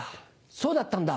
そうだったんだ。